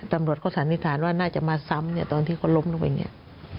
ตำรวจเขาสันนิษฐานว่าน่าจะมาซ้ำเนี่ยตอนที่เขาล้มลงไปเนี่ย